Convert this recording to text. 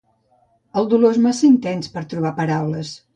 El dolor és massa intens per a trobar paraules.